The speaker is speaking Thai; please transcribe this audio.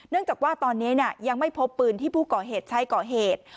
จากว่าตอนนี้ยังไม่พบปืนที่ผู้ก่อเหตุใช้ก่อเหตุ